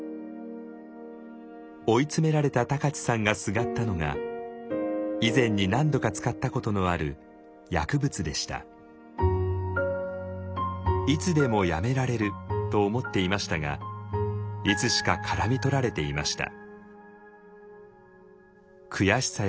追い詰められた高知さんがすがったのが以前に何度か使ったことのある薬物でした。と思っていましたがいつしか絡み取られていました。